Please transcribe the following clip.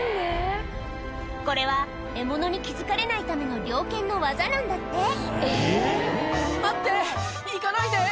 これは獲物に気付かれないための猟犬の技なんだって「待って行かないで」